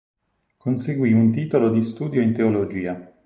Conseguì un titolo di studio in Teologia.